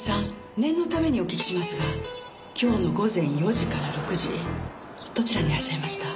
念のためにお聞きしますが今日の午前４時から６時どちらにいらっしゃいました？